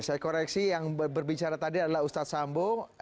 saya koreksi yang berbicara tadi adalah ustadz sambo